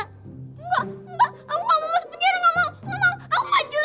enggak mbak aku nggak mau masuk penjara mbak